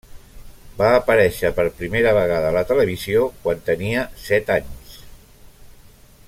Va aparèixer per primera vegada a la televisió quan tenia set anys.